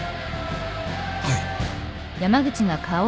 はい。